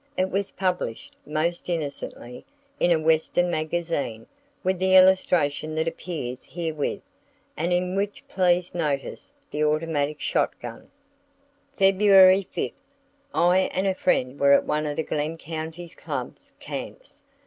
It was published, most innocently, in a western magazine, with the illustration that appears herewith, and in which please notice the automatic shot gun: "February 5th, I and a friend were at one of the Glenn County Club's camps.